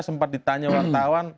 sempat ditanya wartawan